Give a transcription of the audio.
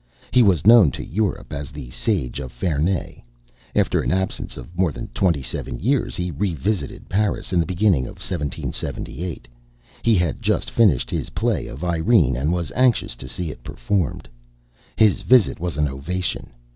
He was known to Europe as the "Sage of Ferney." After an absence of more than twenty seven years, he re visited Paris in the beginning of 1778. He had just finished his play of "Irene," and was anxious to see it performed. His visit was an ovation.